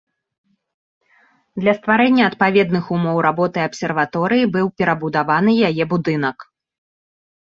Для стварэння адпаведных умоў работы абсерваторыі быў перабудаваны яе будынак.